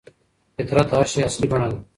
فطرت د هر شي اصلي بڼه ده.